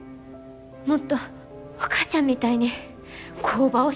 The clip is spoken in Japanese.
もっとお母ちゃんみたいに工場を支えたい。